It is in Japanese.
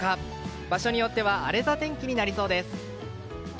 場所によっては荒れた天気になりそうです。